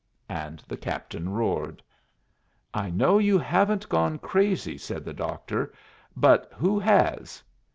And the captain roared. "I know you haven't gone crazy," said the doctor, "but who has?"